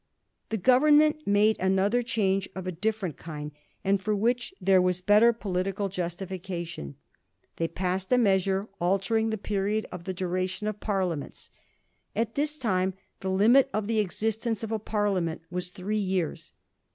The Government made another change of a dif ferent kind, and for which there was better political justification. They passed a measure altering the period of the duration of parliaments. At this time the limit of the existence of a parliament was three years.